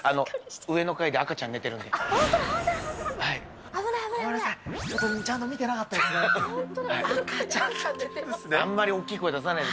上の階で赤ちゃん寝てるんで。